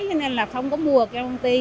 cho nên là không có mua cái công ty